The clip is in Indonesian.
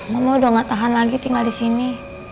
mama udah gak tahan lagi tinggal di sini